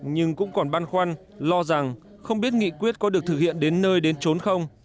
nhưng cũng còn băn khoăn lo rằng không biết nghị quyết có được thực hiện đến nơi đến trốn không